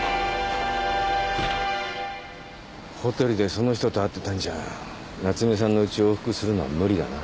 ホテルでその人と会ってたんじゃ夏目さんのうちを往復するのは無理だな。